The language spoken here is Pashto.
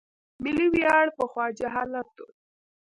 ملي ویاړ پخوا جهالت و.